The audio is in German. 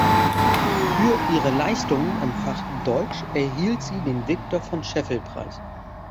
Für ihre Leistungen im Fach Deutsch erhielt sie den Viktor von Scheffel-Preis.